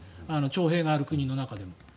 徴兵がある国の中でも。